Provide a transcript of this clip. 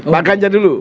pak ganjar dulu